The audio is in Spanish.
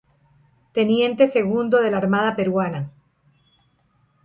Teniente segundo de la Armada Peruana.